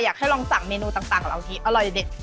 อยากให้ลองสั่งเมนูต่างของเราที่อร่อยเด็ด